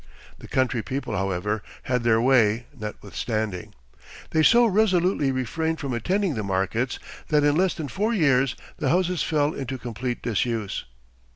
The country people, however, had their way, notwithstanding. They so resolutely refrained from attending the markets that in less than four years the houses fell into complete disuse.